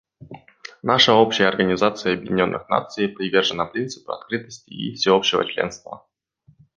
Наша общая Организация Объединенных Наций привержена принципу открытости и всеобщего членства.